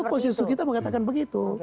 so itu konsensus kita mengatakan begitu